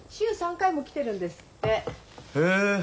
へえ。